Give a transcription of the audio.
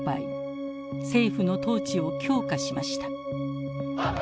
政府の統治を強化しました。